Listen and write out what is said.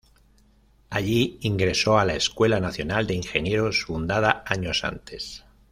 Allí ingresó a la Escuela Nacional de Ingenieros, fundada años antes.